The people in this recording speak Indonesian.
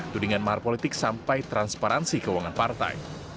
tudingan mahar politik sampai transparansi keuangan partai